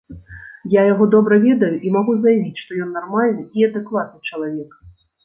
Я яго добра ведаю, і магу заявіць, што ён нармальны і адэкватны чалавек.